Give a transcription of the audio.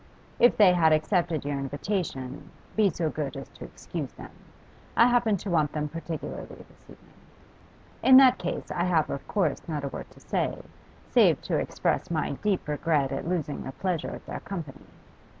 'If they had accepted your invitation be' so good as to excuse them. I happen to want them particularly this evening.' 'In that case, I have of course not a word to say, save to express my deep regret at losing the pleasure of their company.